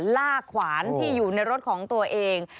ลากขวานที่อยู่ในรถของตัวเอง